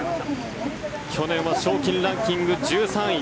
去年は賞金ランキング１３位。